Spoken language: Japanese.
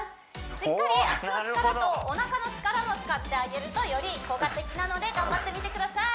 しっかり脚の力とおなかの力も使ってあげるとより効果的なので頑張ってみてください